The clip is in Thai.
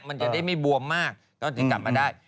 มันจะได้ไม่บวมมากก็จะกลับมาได้